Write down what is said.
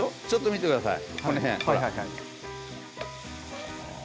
ちょっと見てください。